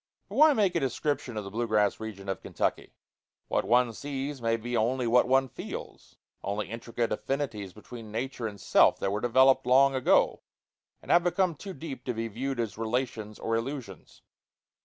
But why make a description of the blue grass region of Kentucky? What one sees may be only what one feels only intricate affinities between nature and self that were developed long ago, and have become too deep to be viewed as relations or illusions.